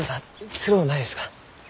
つろうないですか？